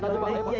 kenapa dua orang